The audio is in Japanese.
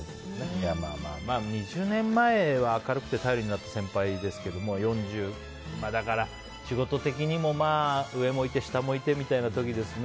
まあ、２０年前は明るくて頼りになった先輩ですけど仕事的にも、上もいて下もいてみたいな時ですね。